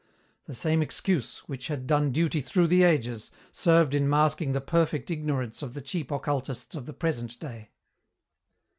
The same excuse, which had done duty through the ages, served in masking the perfect ignorance of the cheap occultists of the present day.